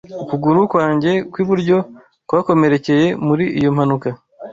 Ukuguru kwanjye kw'iburyo kwakomerekeye muri iyo mpanuka.